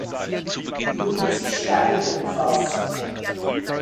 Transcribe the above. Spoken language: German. Luzisteig umfasst.